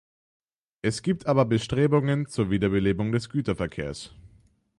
Es gibt aber Bestrebungen zur Wiederbelebung des Güterverkehrs.